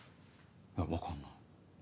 分かんない。